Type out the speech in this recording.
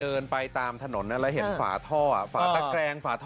เดินไปตามถนนแล้วเห็นฝาท่อฝาตะแกรงฝาท่อ